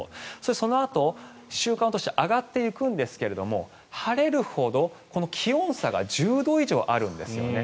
そのあと週間として上がっていくんですけども晴れるほど気温差が１０度以上あるんですよね。